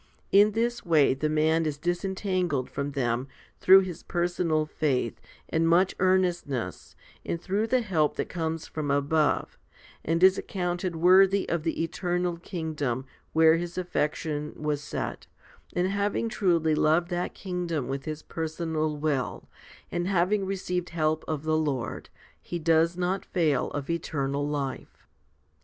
In this way the man is disentangled from them through his personal faith and much earnestness and through the help that comes from above, and is accounted worthy of the eternal kingdom where his affection was set, and having truly loved that kingdom with his personal will, and having received help of the Lord, he does not fail of eternal life.